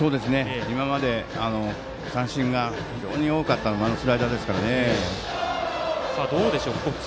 今まで、三振が非常に多かったスライダーですからね。